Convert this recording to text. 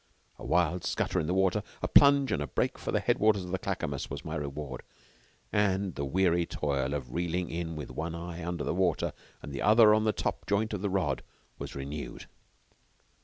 A wild scutter in the water, a plunge, and a break for the head waters of the Clackamas was my reward, and the weary toil of reeling in with one eye under the water and the other on the top joint of the rod was renewed.